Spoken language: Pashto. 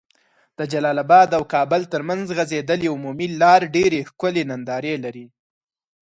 د جلال اباد او کابل تر منځ غځيدلي عمومي لار ډيري ښکلي ننداري لرې